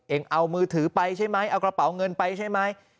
เองเอามือถือไปใช่ไหมเอากระเป๋าเงินไปใช่ไหม